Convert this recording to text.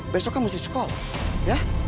besoknya mesti sekolah ya